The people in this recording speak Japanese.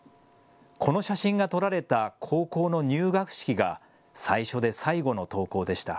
この写真が撮られた高校の入学式が最初で最後の登校でした。